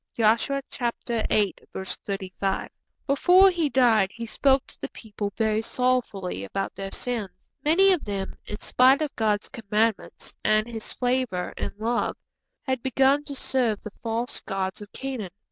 _' (Joshua viii. 35.) Before he died he spoke to the people very sorrowfully about their sins. Many of them, in spite of God's commandments and His favour and love, had begun to serve the false gods of Canaan.